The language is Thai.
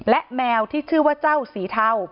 และแมวที่ชื่อว่าเจ้าสีเทา